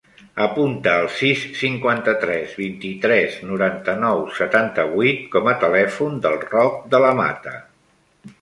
Apunta el sis, cinquanta-tres, vint-i-tres, noranta-nou, setanta-vuit com a telèfon del Roc De La Mata.